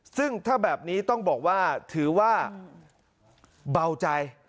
ซึ่งถ้าแบบนี้ต้องบอกว่าถือว่าเบาใจ